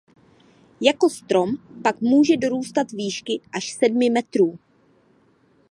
Jako strom pak může dorůstat výšky až sedmi metrů.